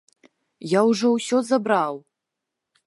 Я ўжо ўсё забраў!